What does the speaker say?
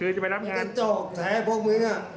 นี่ก็จอดแสงพวกมื้อ